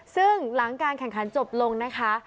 ซึ่งหลังการแข่งขันจบลงนะคะ